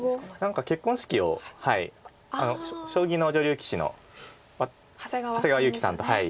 何か結婚式を将棋の女流棋士の長谷川優貴さんと。